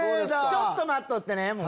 ちょっと待っとってね。